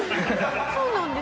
そうなんですよ。